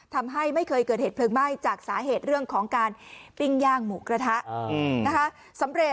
ทำให้ไม่เคยเกิดเหตุเพลิงไหม้จากสาเหตุเรื่องของการปิ้งย่างหมูกระทะนะคะ